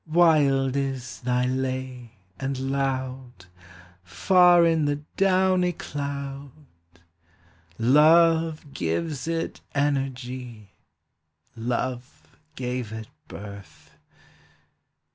Wild is thy lay and loud Far in the downy cloud, Love gives it energy, love gave it birth.